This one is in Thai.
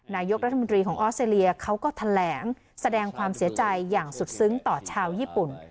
นายกรัฐมนตรีของออสเตรเลียเขาก็แถลงแสดงความเสียใจอย่างสุดซึ้งต่อชาวญี่ปุ่น